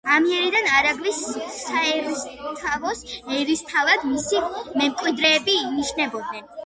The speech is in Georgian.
ამიერიდან არაგვის საერისთავოს ერისთავად მისი მემკვიდრეები ინიშნებოდნენ.